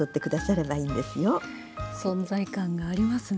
存在感がありますね。